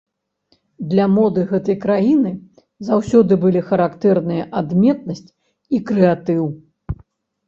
Для моды гэтай краіны заўсёды былі характэрныя адметнасць і крэатыў.